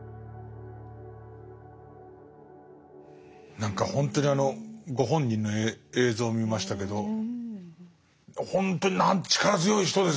何かほんとにあのご本人の映像見ましたけどほんとに力強い人ですね。